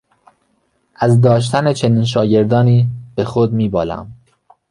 از داشتن چنین شاگردانی به خود میبالم.